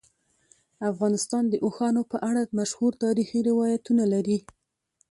افغانستان د اوښانو په اړه مشهور تاریخی روایتونه لري.